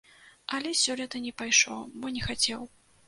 Але сёлета не пайшоў, бо не хацеў.